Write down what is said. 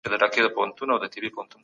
زما ژوند او مرګ ستا په لاس کې دی.